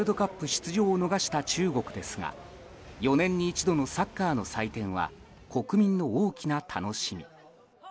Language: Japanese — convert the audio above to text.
出場を逃した中国ですが４年に一度のサッカーの祭典は国民の大きな楽しみ。